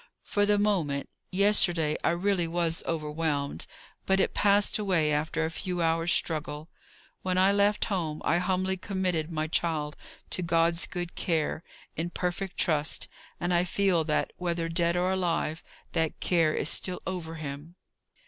"For the moment, yesterday, I really was overwhelmed; but it passed away after a few hours' struggle. When I left home, I humbly committed my child to God's good care, in perfect trust; and I feel, that whether dead or alive, that care is still over him."